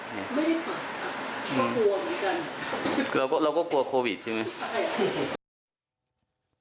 ไม่ได้ขอครับเพราะกลัวเหมือนกันเราก็เราก็กลัวโควิดใช่ไหมใช่